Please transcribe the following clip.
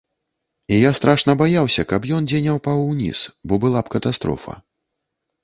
І я страшна баяўся, каб ён дзе не ўпаў уніз, бо была б катастрофа.